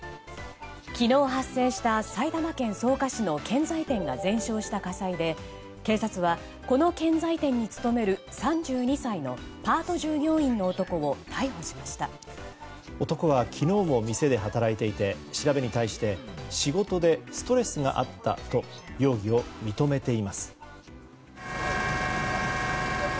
昨日発生した埼玉県草加市の建材店が全焼した火災で警察はこの建材店に勤める３２歳のパート従業員の男を男は昨日も店で働いていて調べに対して仕事でストレスがあったと容疑を認めています。